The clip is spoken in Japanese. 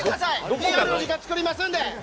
ＰＲの時間作りますから。